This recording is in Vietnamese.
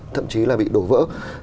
thậm chí là bị đổ vỡ